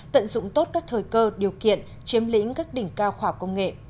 tận dụng tốt các thời cơ điều kiện chiếm lĩnh các đỉnh cao khỏa công nghệ